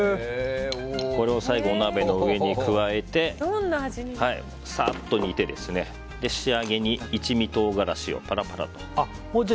これを最後お鍋の上に加えてサッと煮て仕上げに一味唐辛子をパラパラと。